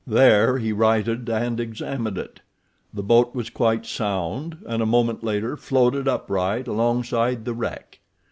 There he righted and examined it—the boat was quite sound, and a moment later floated upright alongside the wreck.